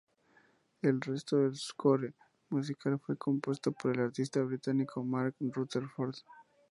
El resto del "score" musical fue compuesto por el artista británico Mark Rutherford.